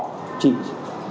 là chuyển trong